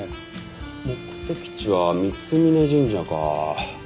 目的地は三峯神社か。